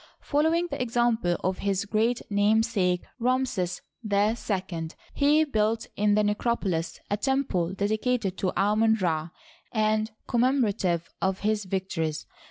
Following the example of his great namesake, Ramses II, he built in the necropolis a temple dedicated to Amon Ra, and commemorative of his victories.